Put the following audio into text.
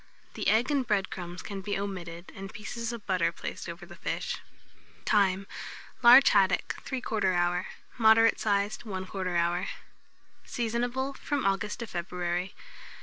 The egg and bread crumbs can be omitted, and pieces of butter placed over the fish. Time. Large haddock, 3/4 hour; moderate size, 1/4 hour. Seasonable from August to February.